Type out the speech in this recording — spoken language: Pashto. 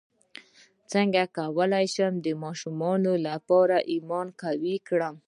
څنګه کولی شم د ماشومانو لپاره د ایمان قوي کړم